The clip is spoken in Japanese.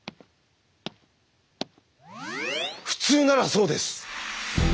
普通ならそうです。